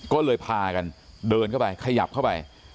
ก็เลยพากันเดินเข้าไปขยับเข้าไป